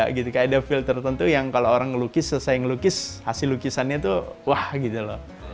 kayak ada filter tentu yang kalau orang lukis selesai lukis hasil lukisannya itu wah gitu loh